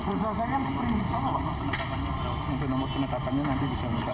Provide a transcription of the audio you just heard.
untuk nomor penetapannya nanti bisa minta